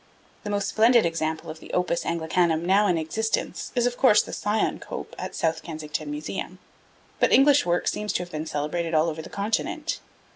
The most splendid example of the opus Anglicanum now in existence is, of course, the Syon cope at the South Kensington Museum; but English work seems to have been celebrated all over the Continent.